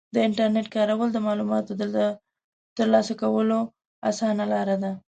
د انټرنیټ کارول د معلوماتو د ترلاسه کولو اسانه لاره ده.